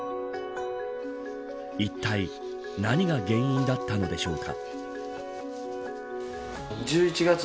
いったい何が原因だったのでしょうか。